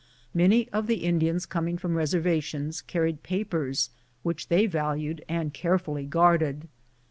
Many of the Indians coming from reservations carried papers which they valued and carefully guarded.